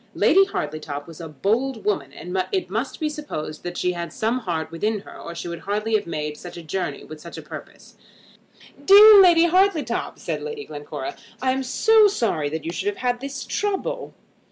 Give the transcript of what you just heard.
Lady Hartletop was a bold woman; and it must be supposed that she had some heart within her or she would hardly have made such a journey with such a purpose. "Dear Lady Hartletop," said Lady Glencora, "I am so sorry that you should have had this trouble."